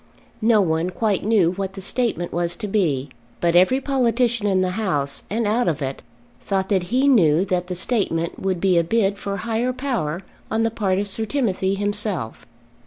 No one quite knew what the statement was to be; but every politician in the House and out of it thought that he knew that the statement would be a bid for higher power on the part of Sir Timothy himself.